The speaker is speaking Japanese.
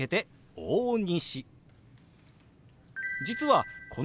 「大西」。